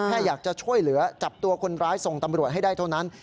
แค่อยากจะช่วยเหลือจับตัวคนร้ายส่งตำรวจให้ได้เท่านั้น